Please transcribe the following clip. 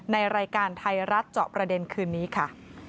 ในรายการไทยรัฐเจาะประเด็นคืนนี้ค่ะ